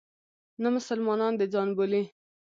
نه مسلمانان د ځان بولي.